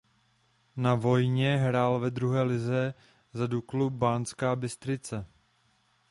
Na vojně hrál ve druhé lize za Duklu Banská Bystrica.